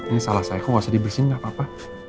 ini salah saya kok nggak usah dibersihin nggak apa apa